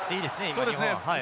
今日本は。